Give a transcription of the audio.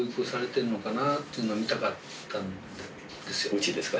うちですか？